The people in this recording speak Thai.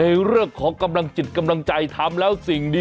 เอ้ยเรื่องของกำลังจิตกำลังใจทำแล้ว